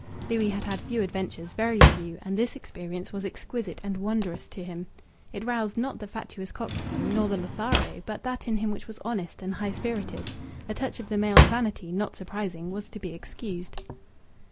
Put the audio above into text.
Louis had had few adventures, very few, and this experience was exquisite and wondrous to him. It roused, not the fatuous coxcomb, nor the Lothario, but that in him which was honest and high spirited. A touch of the male's vanity, not surprising, was to be excused.